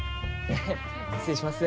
失礼します。